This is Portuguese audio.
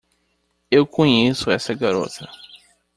Eu conheço essa garota!